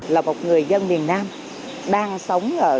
là một người dân miền nam đang sống ở trên black belt